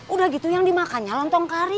udah gitu yang dimakannya lontong kari